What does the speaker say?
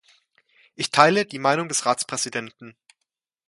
Ich teile die Meinung des Ratspräsidenten.